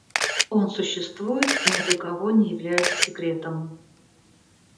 Он существует и ни для кого не является секретом.